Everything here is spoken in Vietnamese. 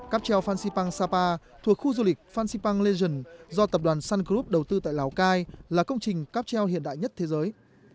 cáp treo fansipang sapa thuộc khu du lịch phan xipang legen do tập đoàn sun group đầu tư tại lào cai là công trình cáp treo hiện đại nhất thế giới